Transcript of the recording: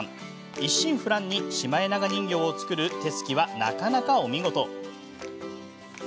一心不乱にシマエナガ人形を作る手つきは、なかなかお見事。